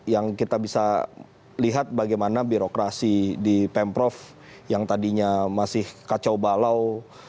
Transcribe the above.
yang kita bisa lihat bagaimana birokrasi di pemprov yang tadinya masih kacau balau